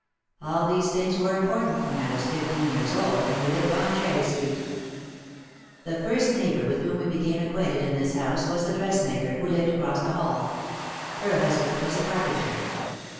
All these things were important when I was fifteen years old and we lived on Cherry Street. The first neighbour with whom we became acquainted in this house was the dressmaker who lived across the hall. Her husband was a carpenter.